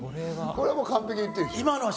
これはもう完璧に言ってるでしょ。